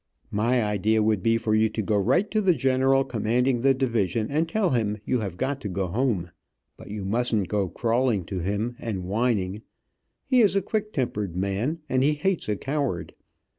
My idea would be for you to go right to the general commanding the division, and tell him you have got to go home. But you mustn't go crawling to him, and whining. He is a quick tempered man, and he hates a coward.